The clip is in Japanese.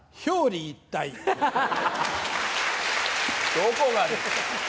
どこがですか。